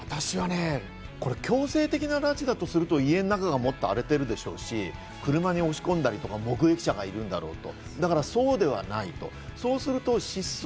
強制的な拉致だとすると、家の中はもっと荒れてるでしょうし、車に押し込んだりとか、目撃者がいるんだろうと。